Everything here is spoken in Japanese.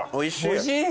おいしい！